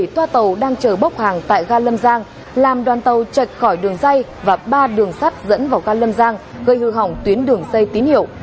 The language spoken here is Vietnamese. bảy toa tàu đang chở bốc hàng tại ga lâm giang làm đoàn tàu chạch khỏi đường dây và ba đường sắt dẫn vào ga lâm giang gây hư hỏng tuyến đường dây tín hiệu